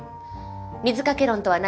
水掛け論とは何か。